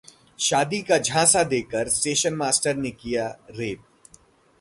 शादी का झांसा देकर स्टेशन मास्टर ने किया रेप